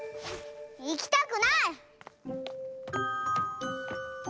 いきたくない！